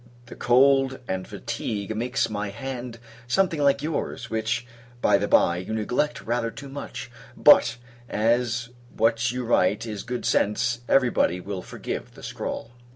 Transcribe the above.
The cold and fatigue makes my hand something like your's which, by the bye, you neglect rather too much: but, as what you write is good sense, every body will forgive the scrawl.